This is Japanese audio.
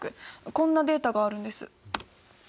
こんなデータがあるんです。